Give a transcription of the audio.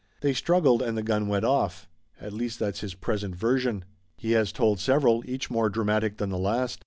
They struggled and the gun went off. At least that's his present version. He has told several, each more dramatic than the last.